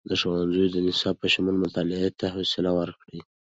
د ښوونځیو د نصاب په شمول، مطالعې ته خوصله ورکړئ.